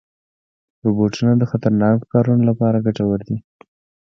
روبوټونه د خطرناکو کارونو لپاره ګټور دي.